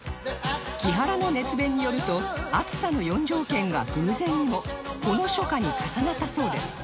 木原の熱弁によると暑さの４条件が偶然にもこの初夏に重なったそうです